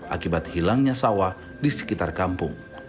akibat hilangnya sawah di sekitar kampung